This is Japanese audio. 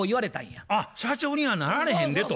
あっ社長にはなられへんでと。